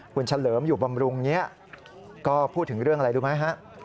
คุณเฉลิมอยู่บำรุงนี้ก็พูดถึงเรื่องอะไรรู้ไหมฮะ